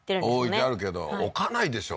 置いてあるけど置かないでしょ